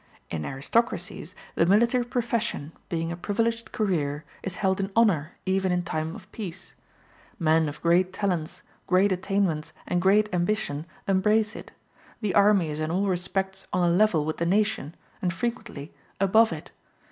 In aristocracies the military profession, being a privileged career, is held in honor even in time of peace. Men of great talents, great attainments, and great ambition embrace it; the army is in all respects on a level with the nation, and frequently above it.